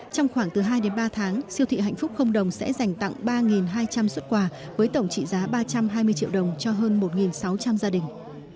trong khoảng từ hai đến ba tháng siêu thị hạnh phúc không đồng sẽ dành tặng ba hai trăm linh xuất quà với tổng trị giá ba trăm hai mươi triệu đồng cho hơn một sáu trăm linh gia đình